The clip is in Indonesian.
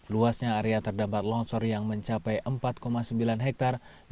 luasnya area terdapat longsor yang mencapai empat sembilan hektare